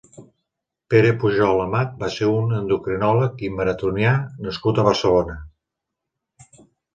Pere Pujol Amat va ser un endocrinòleg i maratonià nascut a Barcelona.